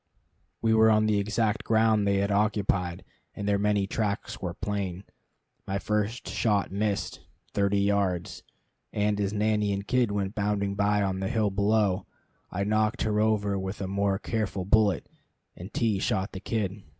We were on the exact ground they had occupied, and their many tracks were plain. My first shot missed thirty yards! and as nanny and kid went bounding by on the hill below, I knocked her over with a more careful bullet, and T shot the kid.